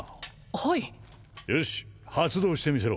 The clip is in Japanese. はいよし発動してみせろ